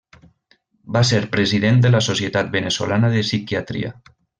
Va ser president de la Societat Veneçolana de Psiquiatria.